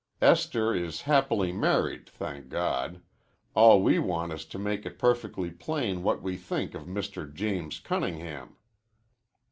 Esther is happily married, thank God. All we want is to make it perfectly plain what we think of Mr. James Cunningham."